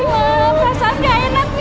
udah cepetan cepetan